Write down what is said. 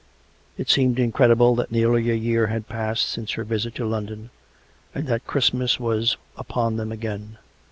It seemed incredible that nearly a year had passed since her visit to London, and that Christmas was upon them again.